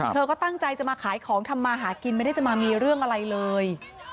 เธอก็ตั้งใจจะมาขายของทำมาหากินไม่ได้จะมามีเรื่องอะไรเลย